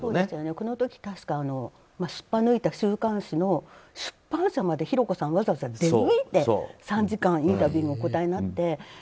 この時、確かすっぱ抜いた週刊誌の出版社まで寛子さん、わざわざ出向いて３時間、インタビューにお答えになって。